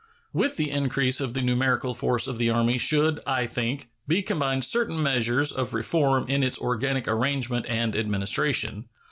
With the increase of the numerical force of the Army should, I think, be combined certain measures of reform in its organic arrangement and administration.